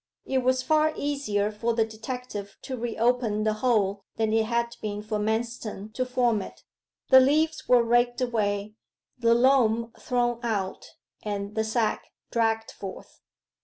It was far easier for the detective to re open the hole than it had been for Manston to form it. The leaves were raked away, the loam thrown out, and the sack dragged forth.